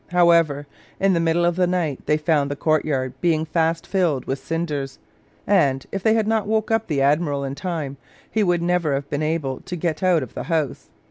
However, in the middle of the night they found the courtyard being fast filled with cinders, and, if they had not woke up the Admiral in time, he would never have been able to get out of the house.